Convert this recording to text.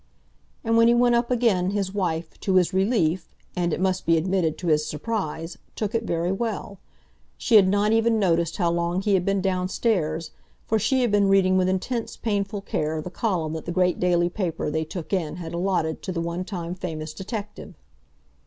And when he went up again, his wife, to his relief, and, it must be admitted, to his surprise, took it very well. She had not even noticed how long he had been downstairs, for she had been reading with intense, painful care the column that the great daily paper they took in had allotted to the one time famous detective.